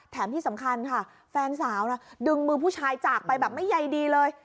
แถมที่สำคัญค่ะแฟนสาวน่ะดึงมือผู้ชายจากไปแบบไม่ใยดีเลย